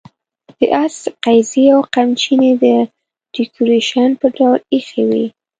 د آس قیضې او قمچینې د ډیکوریشن په ډول اېښې وې.